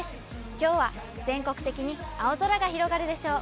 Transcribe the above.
きょうは全国的に青空が広がるでしょう。